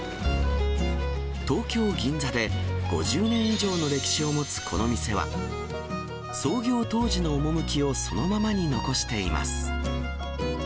東京・銀座で５０年以上の歴史を持つこの店は、創業当時の趣をそのままに残しています。